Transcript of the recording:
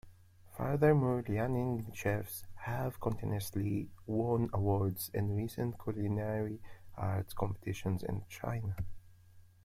Furthermore, Liaoning chefs have continuously won awards in recent culinary arts competitions in China.